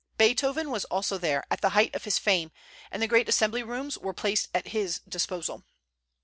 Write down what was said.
Beethoven was also there, at the height of his fame, and the great assembly rooms were placed at his disposal.